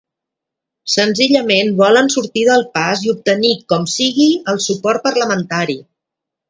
Senzillament volen sortir del pas i obtenir com sigui el suport parlamentari